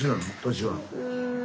年は。